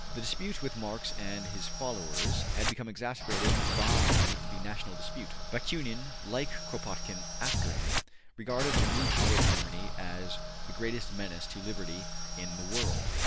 The dispute with Marx and his followers had become exacerbated by the national dispute. Bakunin, like Kropotkin after him, regarded the new power of Germany as the greatest menace to liberty in the world.